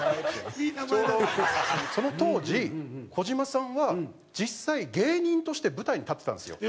ちょうどその当時児島さんは実際芸人として舞台に立ってたんですよ。